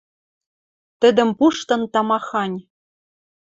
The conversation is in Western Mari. Тӹдӹм пуштын тамахань.